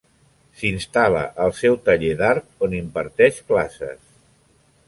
S'instal·la al seu taller d'art on imparteix classes.